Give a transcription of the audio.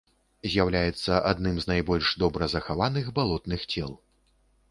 З'яўляецца адным з найбольш добра захаваных балотных цел.